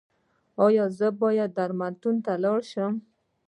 ایا زه باید درملتون ته لاړ شم؟